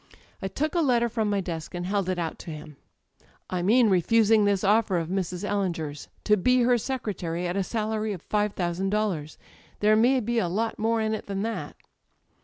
"I took a letter from my desk and held it out to him. "'I mean refusing this offer of Mrs. EUinger's: to be her secretary at a salary of five thousand dollars. There may be a lot more in it than that.'